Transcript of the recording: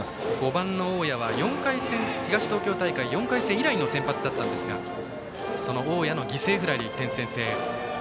５番の大矢は東東京大会４回戦以来の先発でしたがその大矢の犠牲フライで１点先制。